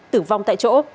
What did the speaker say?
tử vong tại chỗ